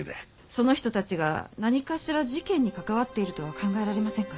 その人たちが何かしら事件に関わっているとは考えられませんか？